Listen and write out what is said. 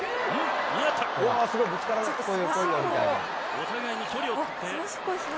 お互いに距離を取って。